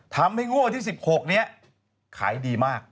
ทำให้งวดวันที่๑๖นี้ขายดีมาก